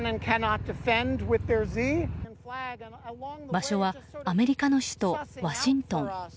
場所はアメリカの首都ワシントン。